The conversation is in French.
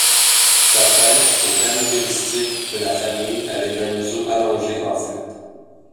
Sa tête est caractéristique de la famille, avec un museau allongé en flûte.